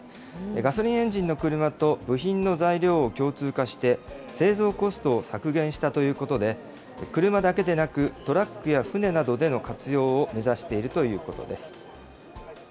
ガソリンエンジンの車と部品の材料を共通化して、製造コストを削減したということで、車だけでなく、トラックや船などでの活用をではＥｙｅｓｏｎです。